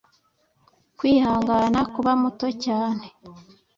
kwihangana kuba muto cyane